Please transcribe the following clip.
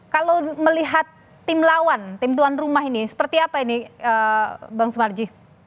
kalau melihat tim lawan tim tuan rumah ini seperti apa ini bang sumarji